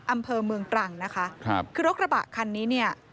อำเภอเมืองตรังนะคะครับคือรถกระบะคันนี้เนี่ย